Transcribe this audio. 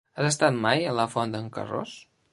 Has estat mai a la Font d'en Carròs?